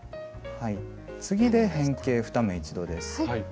次で変形２目一度です。